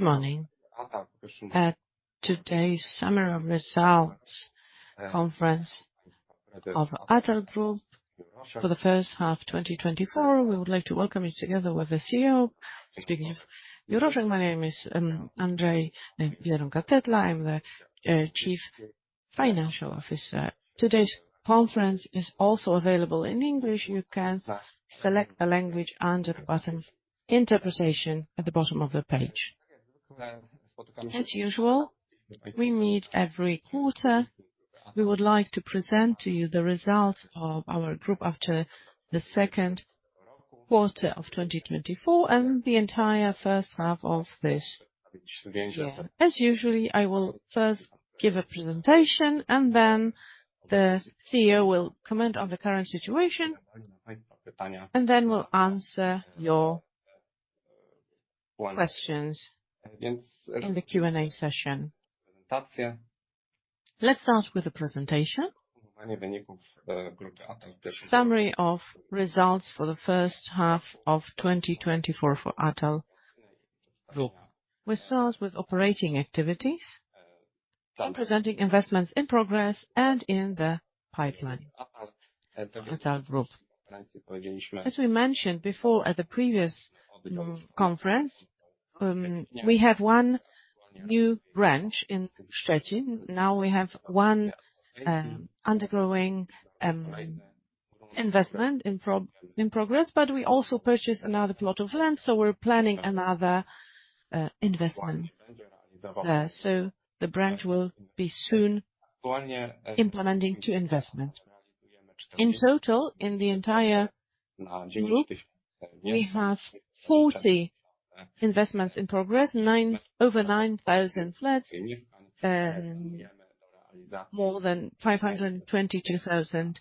Morning. At today's summary of results conference of Atal Group for the first half, twenty twenty-four. We would like to welcome you together with the CEO, Zbigniew Juroszek. My name is Andrzej Biedronka-Tetla. I'm the Chief Financial Officer. Today's conference is also available in English. You can select the language under the button, Interpretation, at the bottom of the page. As usual, we meet every quarter. We would like to present to you the results of our group after the second quarter of twenty twenty-four, and the entire first half of this year. As usually, I will first give a presentation, and then the CEO will comment on the current situation, and then we'll answer your questions in the Q&A session. Let's start with the presentation. Summary of results for the first half of twenty twenty-four for Atal Group. We start with operating activities, and presenting investments in progress and in the pipeline at Atal Group. As we mentioned before at the previous conference, we have one new branch in Szczecin. Now we have one undergoing investment in progress, but we also purchased another plot of land, so we're planning another investment. So the branch will be soon implementing two investments. In total, in the entire group, we have 40 investments in progress, over 9,000 flats, more than 522,000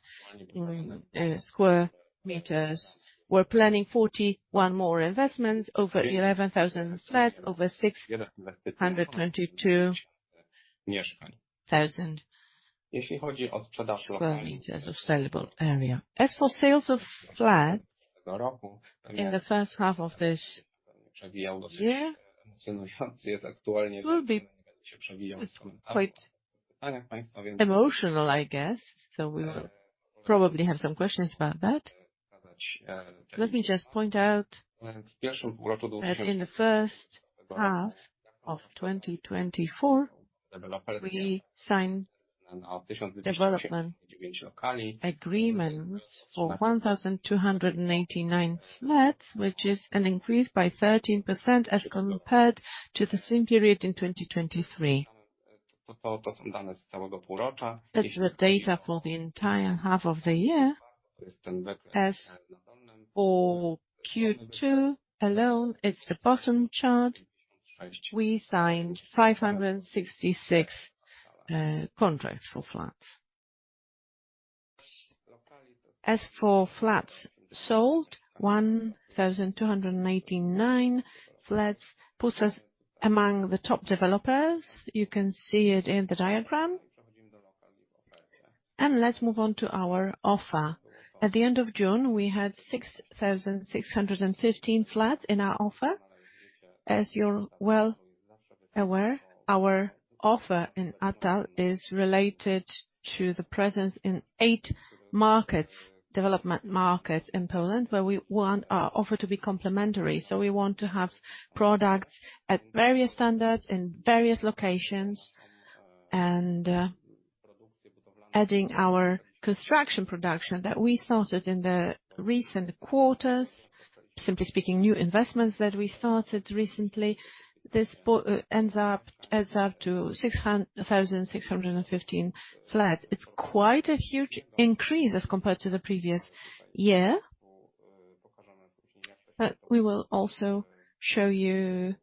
square meters. We're planning 41 more investments, over 11,000 flats, over 622,000 square meters of sellable area. As for sales of flats in the first half of this year, it will be quite emotional, I guess, so we will probably have some questions about that. Let me just point out that in the first half of 2024, we signed development agreements for 1,289 flats, which is an increase by 13% as compared to the same period in 2023. That's the data for the entire half of the year. As for Q2 alone, it's the bottom chart. We signed 566 contracts for flats. As for flats sold, 1,289 flats puts us among the top developers. You can see it in the diagram. Let's move on to our offer. At the end of June, we had 6,615 flats in our offer. As you're well aware, our offer in Atal is related to the presence in eight markets, development markets in Poland, where we want our offer to be complementary. So we want to have products at various standards in various locations, and adding our construction production that we started in the recent quarters. Simply speaking, new investments that we started recently, this ends up, adds up to six hundred thousand six hundred and fifteen flats. It's quite a huge increase as compared to the previous year, but we will also show you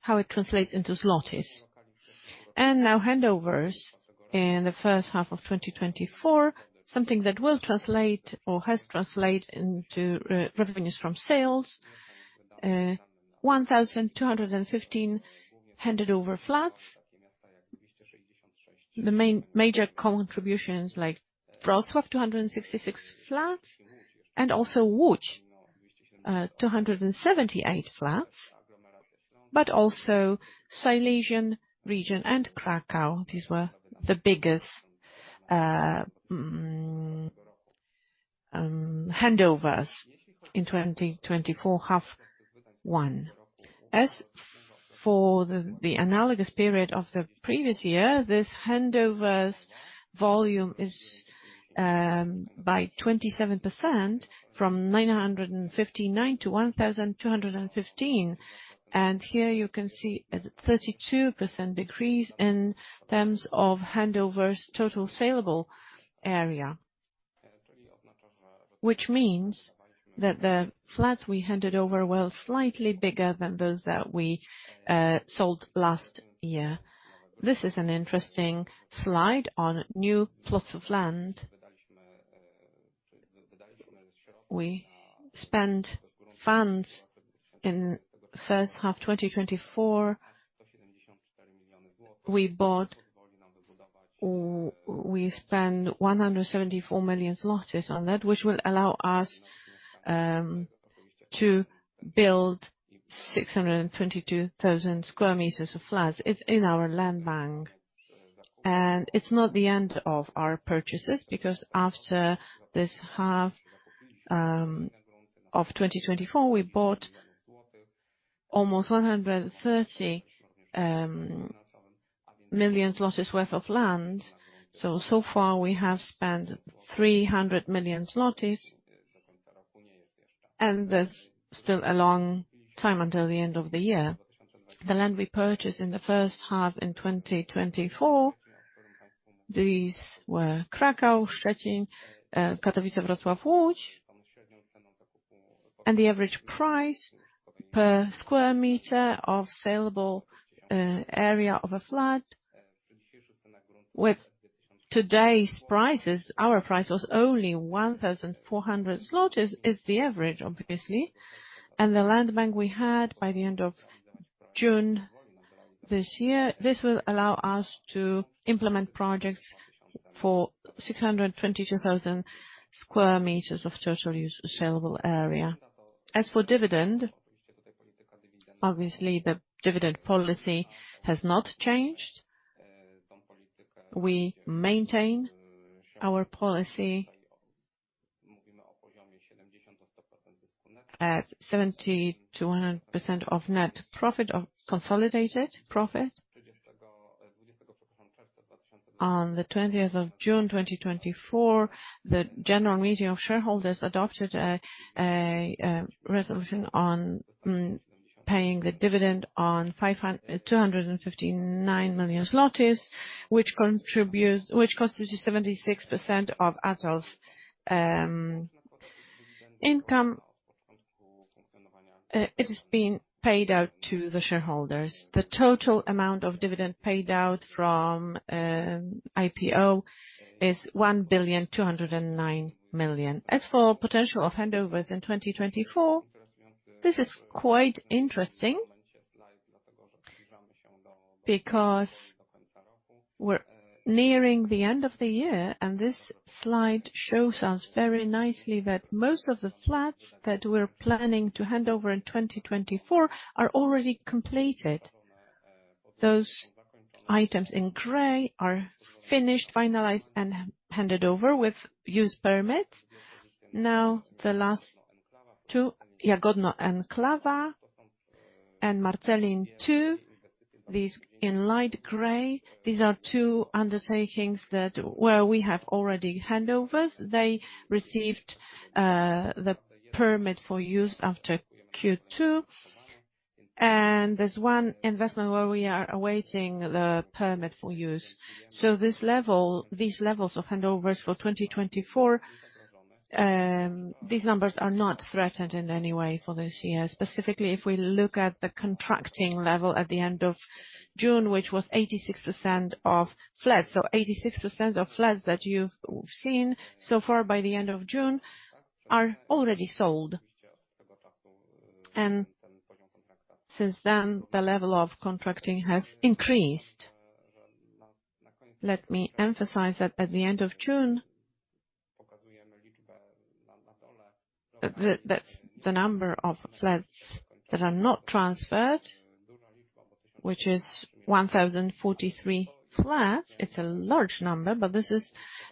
how it translates into zlotys. And now handovers in the first half of twenty twenty-four, something that will translate or has translated into revenues from sales. One thousand two hundred and fifteen handed over flats. The main, major contributions like Wrocław, two hundred and sixty-six flats, and also Łódź, two hundred and seventy-eight flats, but also Silesian region and Kraków. These were the biggest handovers in twenty twenty-four, half one. As for the analogous period of the previous year, this handovers volume is by 27%, from 959 to 1,215. And here you can see a 32% decrease in terms of handovers total sellable area. Which means that the flats we handed over were slightly bigger than those that we sold last year. This is an interesting slide on new plots of land. We spent funds in first half 2024. We spent 174 million zlotys on that, which will allow us to build 622,000 square meters of flats. It's in our land bank, and it's not the end of our purchases, because after this half of 2024, we bought almost 130 million zlotys worth of land. So far, we have spent 300 million zlotys, and there's still a long time until the end of the year. The land we purchased in the first half in 2024, these were Kraków, Szczecin, Katowice, Wrocław, Łódź. The average price per sq m of saleable area of a flat with today's prices, our price was only 1,400 zloty, is the average, obviously. The land bank we had by the end of June this year, this will allow us to implement projects for 622,000 sq m of total use saleable area. As for dividend, obviously, the dividend policy has not changed. We maintain our policy at 70%-100% of net profit of consolidated profit. On the 20th of June, twenty twenty-four, the General Meeting of Shareholders adopted a resolution on paying the dividend on 259 million PLN, which constitutes 76% of Atal's income. It is being paid out to the shareholders. The total amount of dividend paid out from IPO is 1 billion 209 million PLN. As for potential of handovers in twenty twenty-four, this is quite interesting, because we're nearing the end of the year, and this slide shows us very nicely that most of the flats that we're planning to hand over in twenty twenty-four are already completed. Those items in gray are finished, finalized, and handed over with use permit. Now, the last two, Jagodno, Klaudyny and Marcelin 2, these in light gray, these are two undertakings that where we have already handovers. They received the permit for use after Q2, and there's one investment where we are awaiting the permit for use. This level, these levels of handovers for 2024, these numbers are not threatened in any way for this year. Specifically, if we look at the contracting level at the end of June, which was 86% of flats. 86% of flats that you've seen so far by the end of June are already sold. And since then, the level of contracting has increased. Let me emphasize that at the end of June, that's the number of flats that are not transferred, which is 1,043 flats. It's a large number, but this is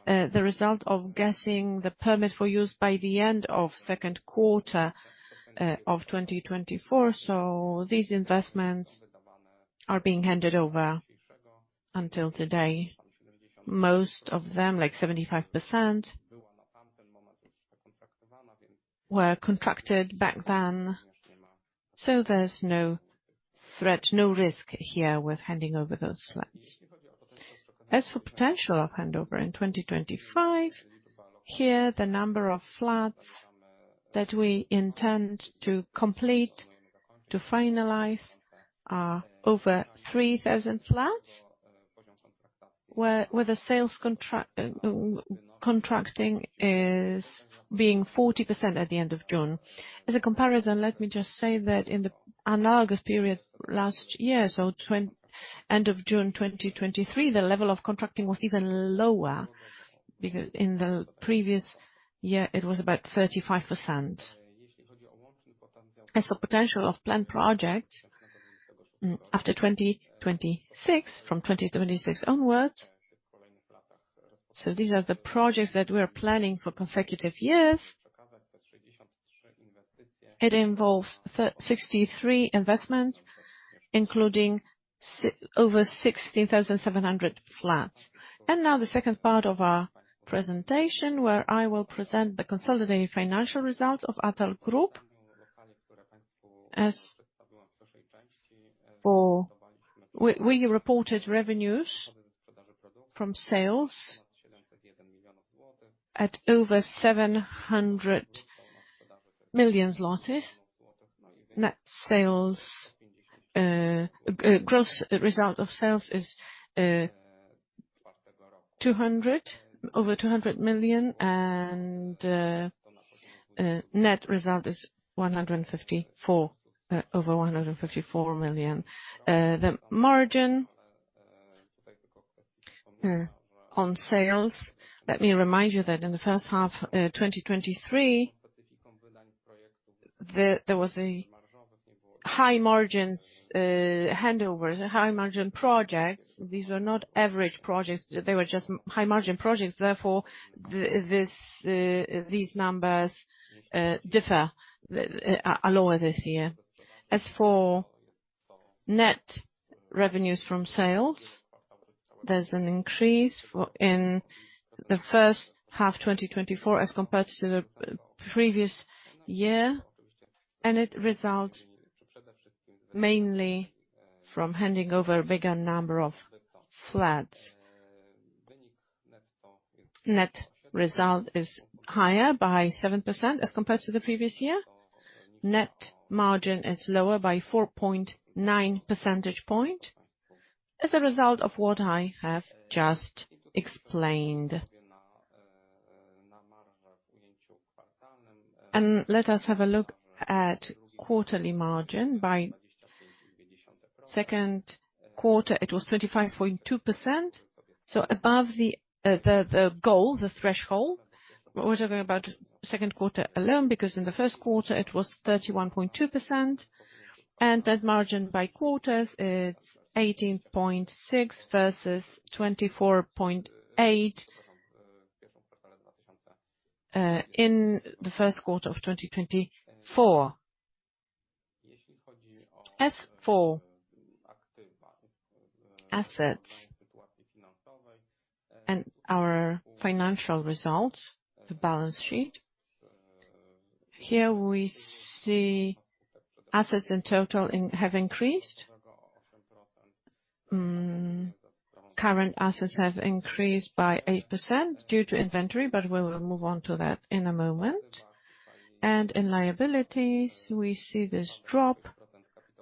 the result of getting the permit for use by the end of second quarter of 2024. These investments are being handed over until today. Most of them, like 75%, were contracted back then, so there's no threat, no risk here with handing over those flats. As for potential of handover in 2025, here, the number of flats that we intend to complete, to finalize, are over 3,000 flats, where the sales contract, contracting is being 40% at the end of June. As a comparison, let me just say that in the analogous period last year, so end of June 2023, the level of contracting was even lower, because in the previous year, it was about 35%. As for potential of planned projects, after 2026, from 2026 onwards, so these are the projects that we are planning for consecutive years. It involves 63 investments, including over 16,700 flats. Now, the second part of our presentation, where I will present the consolidated financial results of Atal Group. As for we, we reported revenues from sales at over 700 million PLN. Net sales gross result of sales is over 200 million, and net result is over 154 million. The margin on sales, let me remind you that in the first half 2023, there was a high margins handovers, high margin projects. These were not average projects, they were just high margin projects, therefore, this these numbers differ are lower this year. As for net revenues from sales, there's an increase in the first half, 2024, as compared to the previous year, and it results mainly from handing over a bigger number of flats. Net result is higher by 7% as compared to the previous year. Net margin is lower by 4.9 percentage point, as a result of what I have just explained. Let us have a look at quarterly margin. By second quarter, it was 25.2%, so above the goal, the threshold. We're talking about second quarter alone, because in the first quarter it was 31.2%, and that margin by quarters, it's 18.6 versus 24.8 in the first quarter of 2024. As for assets and our financial results, the balance sheet. Here we see assets in total have increased. Current assets have increased by 8% due to inventory, but we will move on to that in a moment. And in liabilities, we see this drop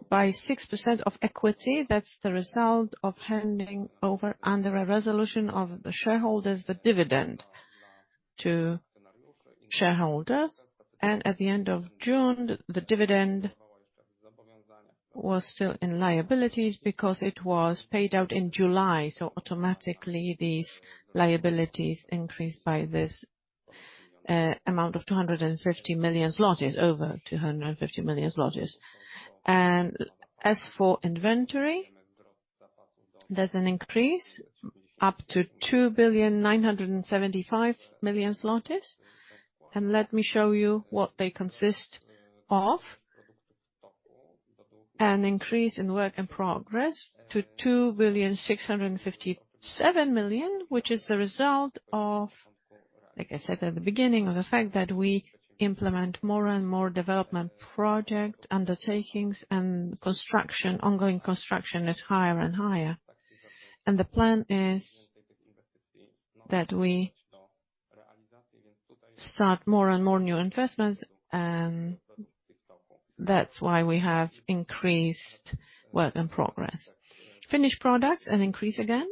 by 6% of equity. That's the result of handing over under a resolution of the shareholders, the dividend to shareholders. And at the end of June, the dividend was still in liabilities because it was paid out in July. So automatically, these liabilities increased by this amount of 250 million zlotys, over 250 million zlotys. And as for inventory, there's an increase up to 2.975 billion PLN. And let me show you what they consist of. An increase in work in progress to 2.657 billion, which is the result of, like I said at the beginning, of the fact that we implement more and more development project undertakings, and construction, ongoing construction is higher and higher, and the plan is that we start more and more new investments, and that's why we have increased work in progress. Finished products, an increase again,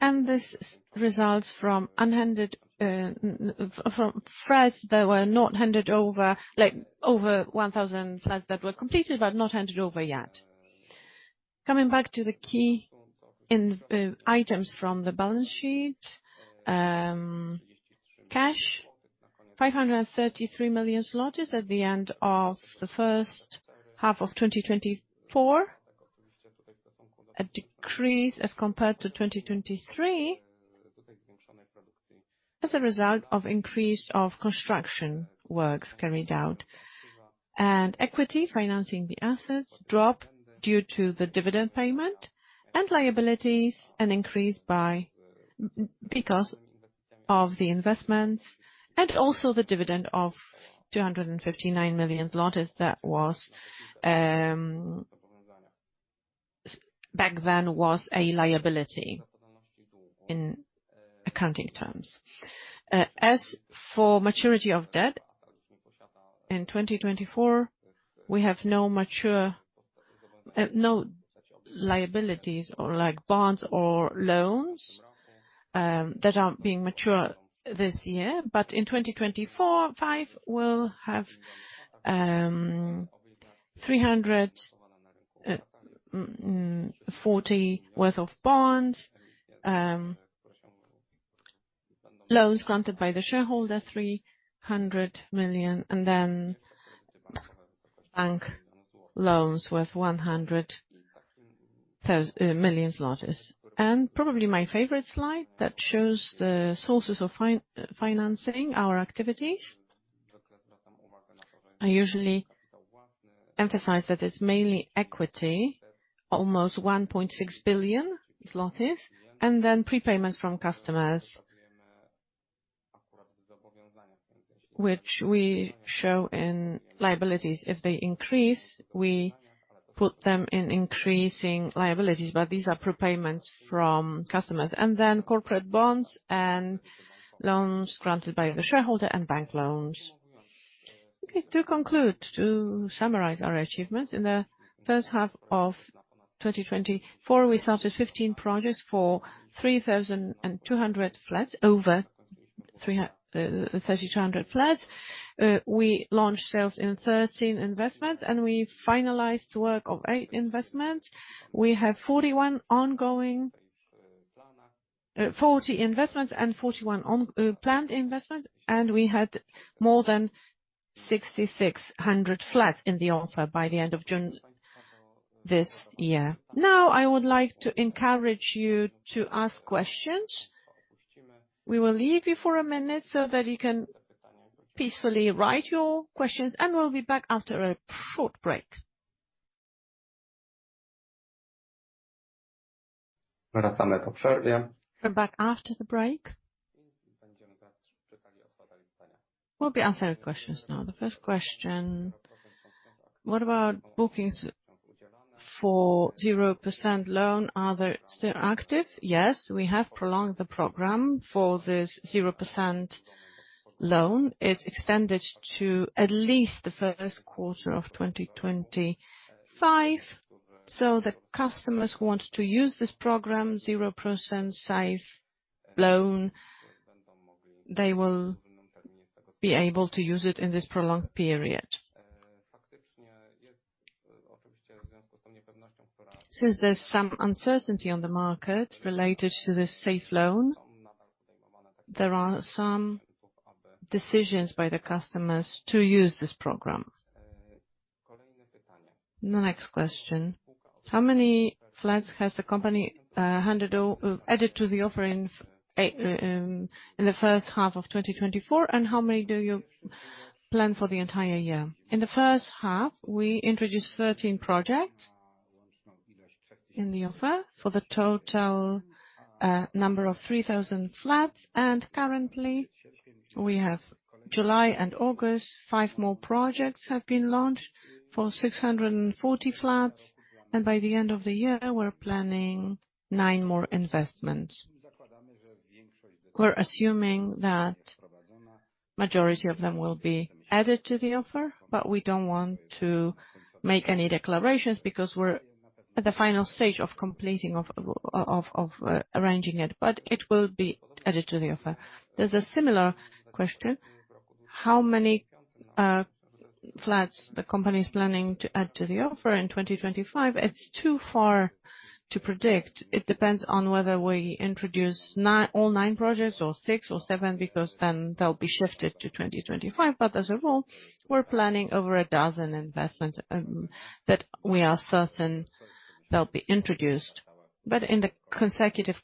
and this results from flats that were not handed over, like, over 1,000 flats that were completed, but not handed over yet. Coming back to the key items from the balance sheet. Cash, 533 million zloty at the end of the first half of 2024. A decrease as compared to 2023, as a result of increase of construction works carried out. And equity financing the assets drop due to the dividend payment and liabilities an increase by because of the investments, and also the dividend of 259 million zlotys. That was back then was a liability in accounting terms. As for maturity of debt, in 2024 we have no mature no liabilities or like bonds or loans that are being mature this year. But in 2024-25 we will have 340 worth of bonds, loans granted by the shareholder, 300 million, and then bank loans worth 100 million PLN. And probably my favorite slide that shows the sources of financing our activities. I usually emphasize that it's mainly equity, almost 1.6 billion zlotys, and then prepayment from customers, which we show in liabilities. If they increase, we put them in increasing liabilities, but these are prepayments from customers. And then corporate bonds and loans granted by the shareholder, and bank loans. Okay, to conclude, to summarize our achievements. In the first half of twenty twenty-four, we started fifteen projects for three thousand and two hundred flats, over three thousand two hundred flats. We launched sales in thirteen investments, and we finalized work of eight investments. We have forty-one ongoing investments and forty-one planned investments, and we had more than sixty-six hundred flats in the offer by the end of June this year. Now, I would like to encourage you to ask questions. We will leave you for a minute so that you can peacefully write your questions, and we'll be back after a short break. We're back after the break. We'll be answering questions now. The first question: What about bookings for 0% loan, are they still active? Yes, we have prolonged the program for this 0% loan. It's extended to at least the first quarter of twenty twenty-five, so the customers who want to use this program, 0% Safe Loan, they will be able to use it in this prolonged period. Since there's some uncertainty on the market related to the Safe Loan, there are some decisions by the customers to use this program. The next question: How many flats has the company added to the offering in the first half of 2024, and how many do you plan for the entire year? In the first half, we introduced 13 projects in the offer for the total number of 3,000 flats, and currently, we have July and August, five more projects have been launched for 640 flats, and by the end of the year, we're planning nine more investments. We're assuming that majority of them will be added to the offer, but we don't want to make any declarations because we're at the final stage of completing of arranging it, but it will be added to the offer. There's a similar question: How many flats the company is planning to add to the offer in 2025? It's too far to predict. It depends on whether we introduce all nine projects or six or seven, because then they'll be shifted to 2025. But as a rule, we're planning over a dozen investments, that we are certain they'll be introduced. But in the consecutive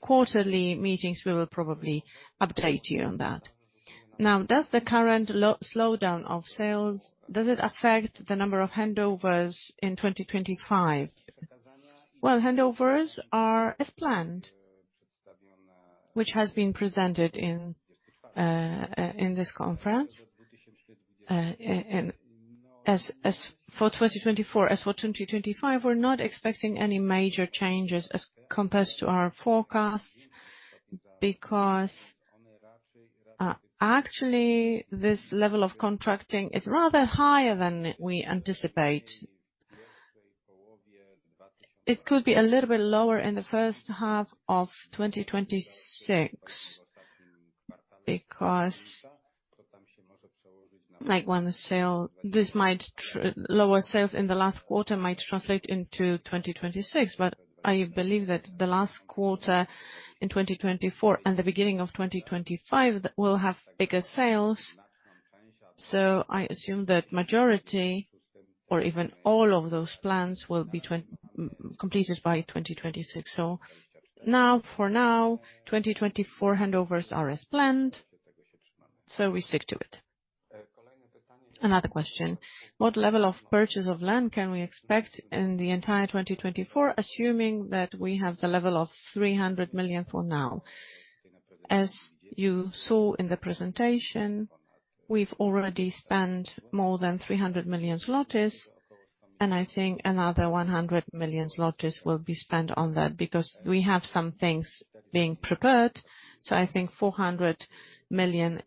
quarterly meetings, we will probably update you on that. Now, does the current slowdown of sales, does it affect the number of handovers in 2025? Well, handovers are as planned, which has been presented in this conference. And as for 2024, as for 2025, we're not expecting any major changes as compared to our forecasts, because actually, this level of contracting is rather higher than we anticipate. It could be a little bit lower in the first half of 2026, because lower sales in the last quarter might translate into 2026. I believe that the last quarter in 2024 and the beginning of 2025, that will have bigger sales. I assume that majority or even all of those plans will be completed by 2026. Now, for now, 2024 handovers are as planned, so we stick to it. Another question: What level of purchase of land can we expect in the entire 2024, assuming that we have the level of 300 million for now? As you saw in the presentation, we've already spent more than 300 million zlotys, and I think another 100 million zlotys will be spent on that, because we have some things being prepared. I think 400 million PLN,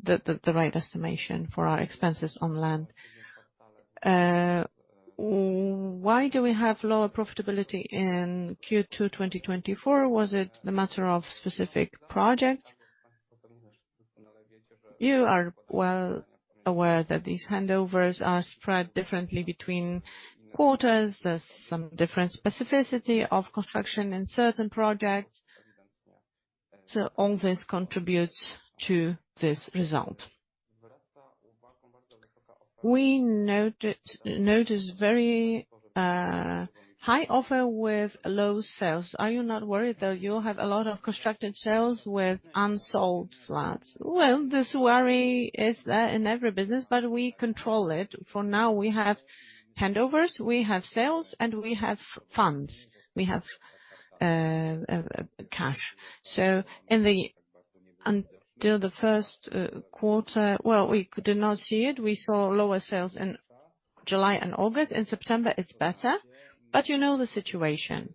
it's the right estimation for our expenses on land. Why do we have lower profitability in Q2 2024? Was it the matter of specific projects? You are well aware that these handovers are spread differently between quarters. There's some different specificity of construction in certain projects. So all this contributes to this result. We noticed very high offer with low sales. Are you not worried that you'll have a lot of constructed sales with unsold flats? Well, this worry is in every business, but we control it. For now, we have handovers, we have sales, and we have funds. We have cash. So in the... Until the first quarter, we could not see it. We saw lower sales in July and August. In September, it's better. But you know the situation....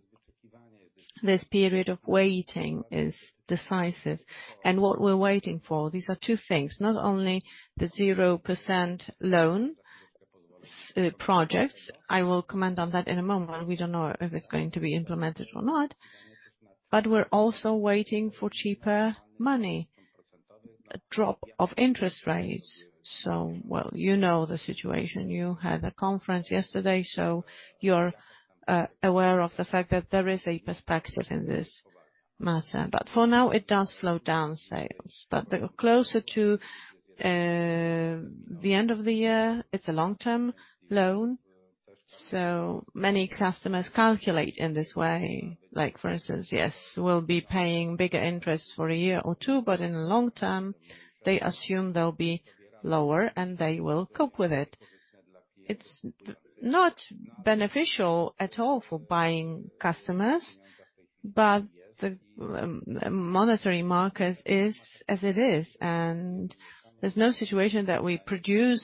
This period of waiting is decisive. And what we're waiting for, these are two things, not only the zero percent loan projects, I will comment on that in a moment, but we don't know if it's going to be implemented or not. But we're also waiting for cheaper money, a drop of interest rates. So, well, you know the situation. You had a conference yesterday, so you're aware of the fact that there is a perspective in this matter. But for now, it does slow down sales. But the closer to the end of the year, it's a long-term loan, so many customers calculate in this way. Like, for instance, yes, we'll be paying bigger interest for a year or two, but in the long term, they assume they'll be lower, and they will cope with it. It's not beneficial at all for buying customers, but the monetary market is as it is, and there's no situation that we produce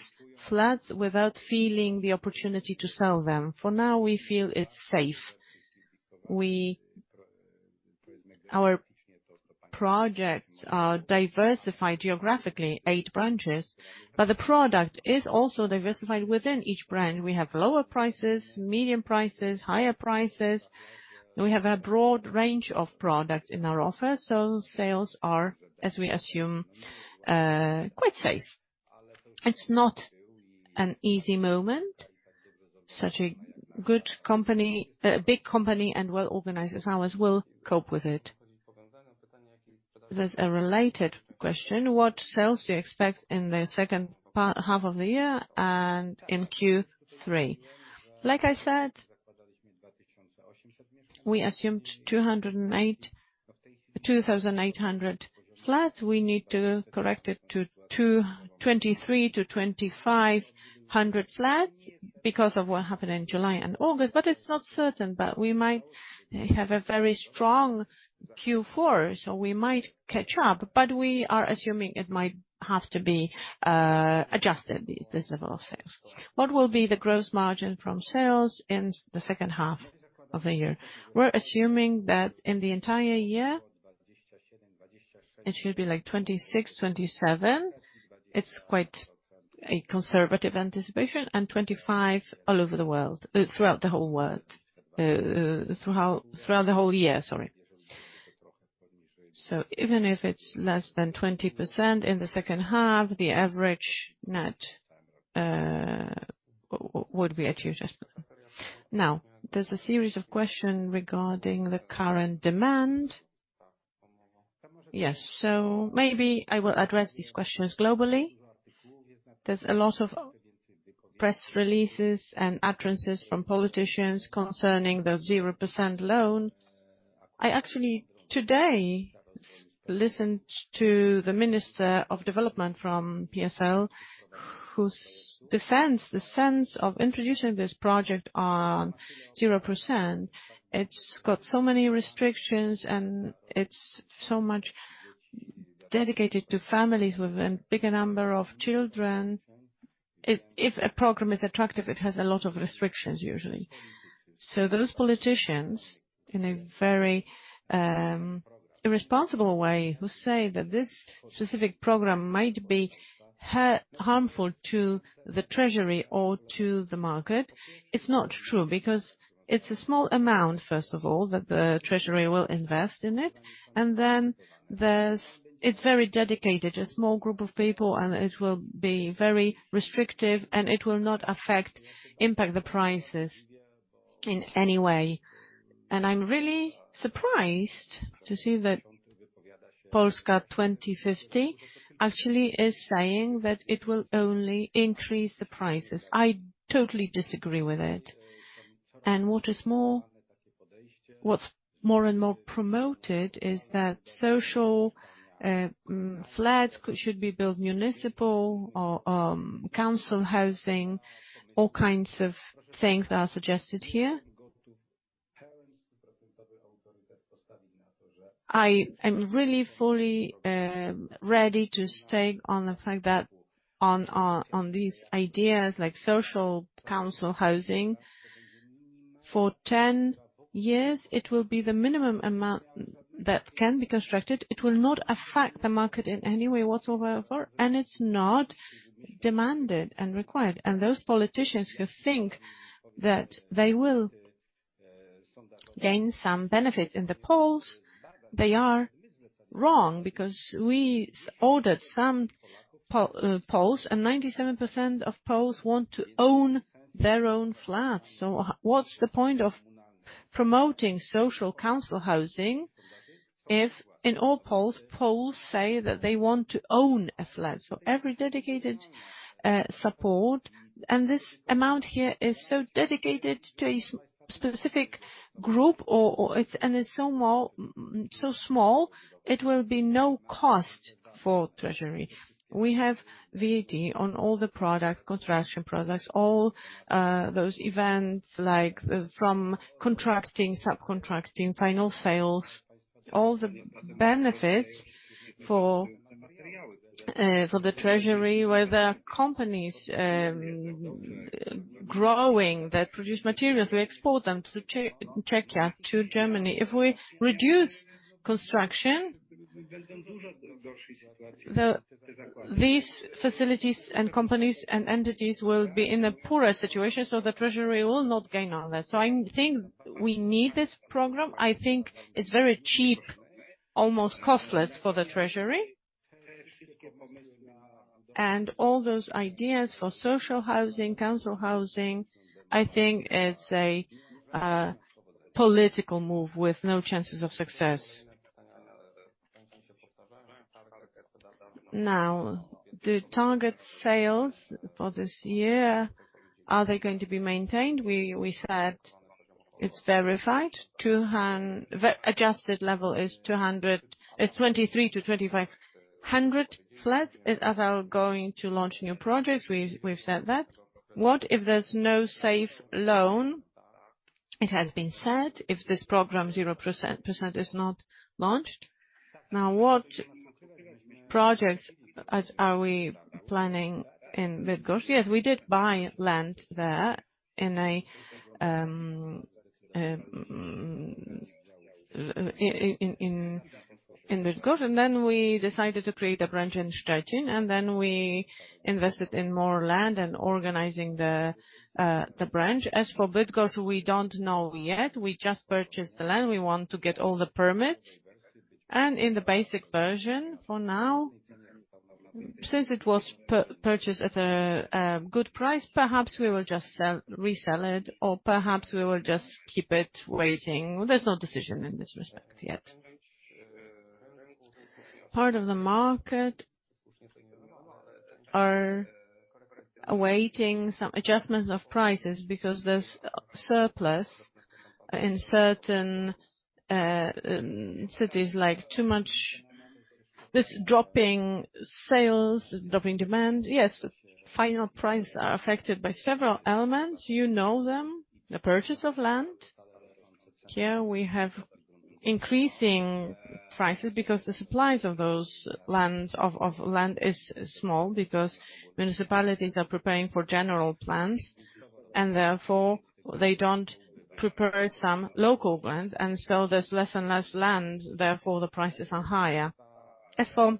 flats without feeling the opportunity to sell them. For now, we feel it's safe. Our projects are diversified geographically, eight branches, but the product is also diversified within each brand. We have lower prices, medium prices, higher prices, and we have a broad range of products in our offer, so sales are, as we assume, quite safe. It's not an easy moment. Such a good company, a big company and well-organized as ours will cope with it. There's a related question: What sales do you expect in the second part, half of the year and in Q3? Like I said, we assumed two thousand eight hundred flats. We need to correct it to 2,023 to 2,500 flats because of what happened in July and August. But it is not certain that we might have a very strong Q4, so we might catch up, but we are assuming it might have to be adjusted, this level of sales. What will be the gross margin from sales in the second half of the year? We are assuming that in the entire year, it should be like 26-27%. It is quite a conservative anticipation, and 25% all over the world, throughout the whole year, sorry. So even if it is less than 20% in the second half, the average net would be adjusted. Now, there is a series of questions regarding the current demand. Yes, so maybe I will address these questions globally. There's a lot of press releases and utterances from politicians concerning the zero percent loan. I actually, today, listened to the Minister of Development from PSL, whose defense, the sense of introducing this project on zero percent, it's got so many restrictions, and it's so much dedicated to families with a bigger number of children. If a program is attractive, it has a lot of restrictions, usually. So those politicians, in a very irresponsible way, who say that this specific program might be harmful to the Treasury or to the market, it's not true because it's a small amount, first of all, that the Treasury will invest in it. And then there's. It's very dedicated to a small group of people, and it will be very restrictive, and it will not affect, impact the prices in any way. I'm really surprised to see that Polska 2050 actually is saying that it will only increase the prices. I totally disagree with it. What is more, more and more promoted is that social flats should be built municipal or council housing. All kinds of things are suggested here. I am really fully ready to stake on the fact that on these ideas like social council housing, for 10 years, it will be the minimum amount that can be constructed. It will not affect the market in any way whatsoever, and it's not demanded and required. Those politicians who think that they will gain some benefit in the polls, they are wrong because we ordered some polls, and 97% of people want to own their own flats. So what's the point of promoting social council housing if in all polls say that they want to own a flat? Every dedicated support, and this amount here is so dedicated to a specific group or it's and it's so more so small, it will be no cost for Treasury. We have VAT on all the products, construction products, all those events, like, from contracting, subcontracting, final sales, all the benefits for the Treasury, where there are companies growing that produce materials, we export them to Czechia, to Germany. If we reduce construction, these facilities and companies and entities will be in a poorer situation, so the Treasury will not gain on that. So I think we need this program. I think it's very cheap, almost costless for the Treasury. All those ideas for social housing, council housing, I think is a political move with no chances of success. Now, the target sales for this year, are they going to be maintained? We said it's verified. The adjusted level is 2,300 to 2,500 flats, as we are going to launch new projects. We've said that. What if there's no Safe Loan? It has been said, if this program 0% is not launched. Now, what projects are we planning in Bydgoszcz? Yes, we did buy land there in Bydgoszcz, and then we decided to create a branch in Szczecin, and then we invested in more land and organizing the branch. As for Bydgoszcz, we don't know yet. We just purchased the land. We want to get all the permits. In the basic version, for now, since it was purchased at a good price, perhaps we will just resell it, or perhaps we will just keep it waiting. There's no decision in this respect yet. Part of the market are awaiting some adjustments of prices because there's a surplus in certain cities like too much. This dropping sales, dropping demand. Yes, the final prices are affected by several elements. You know them, the purchase of land. Here we have increasing prices because the supplies of land is small, because municipalities are preparing for general plans, and therefore, they don't prepare some local plans, and so there's less and less land, therefore, the prices are higher. As for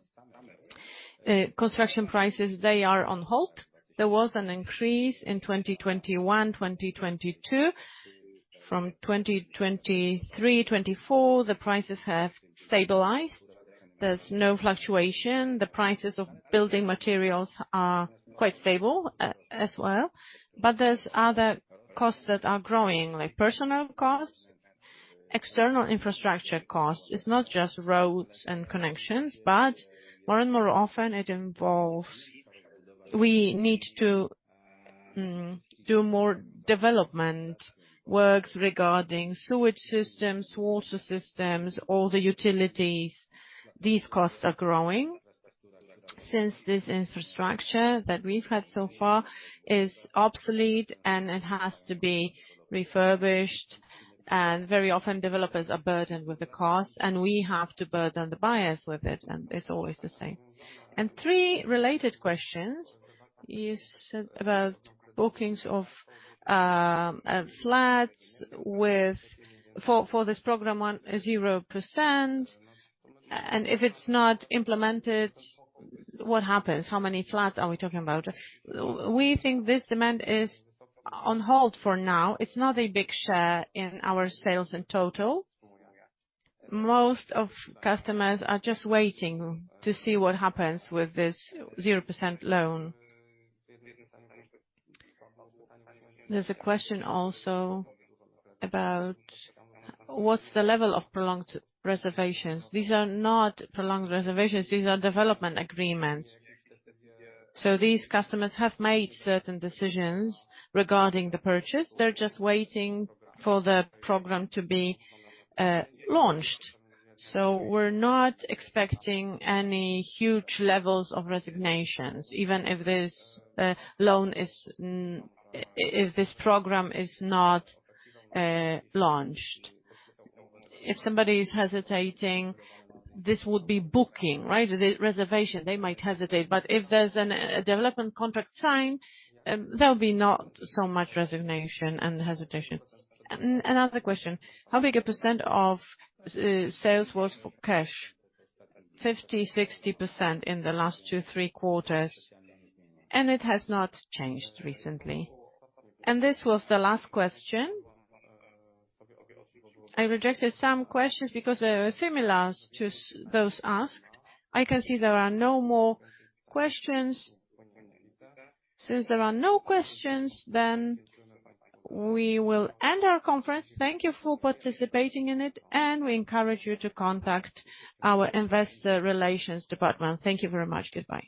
construction prices, they are on hold. There was an increase in 2021, 2022. From 2023, 2024, the prices have stabilized. There's no fluctuation. The prices of building materials are quite stable, as well, but there's other costs that are growing, like personnel costs, external infrastructure costs. It's not just roads and connections, but more and more often it involves. We need to do more development works regarding sewage systems, water systems, all the utilities. These costs are growing. Since this infrastructure that we've had so far is obsolete, and it has to be refurbished, and very often, developers are burdened with the cost, and we have to burden the buyers with it, and it's always the same. Three related questions, you said about bookings of flats with for this program on zero percent, and if it's not implemented, what happens? How many flats are we talking about? We think this demand is on hold for now. It's not a big share in our sales in total. Most of customers are just waiting to see what happens with this zero percent loan. There's a question also about what's the level of prolonged reservations. These are not prolonged reservations, these are development agreements. So these customers have made certain decisions regarding the purchase. They're just waiting for the program to be launched. So we're not expecting any huge levels of resignations, even if this loan is, if this program is not launched. If somebody is hesitating, this would be booking, right? The reservation, they might hesitate. But if there's a development contract signed, there'll be not so much resignation and hesitation. Another question: How big a % of sales was for cash? 50 to 60% in the last two, three quarters, and it has not changed recently. And this was the last question. I rejected some questions because they were similar to those asked. I can see there are no more questions. Since there are no questions, then we will end our conference. Thank you for participating in it, and we encourage you to contact our investor relations department. Thank you very much. Goodbye.